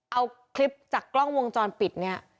เอาคลิปจากกล้องวงจรปิดเนี่ย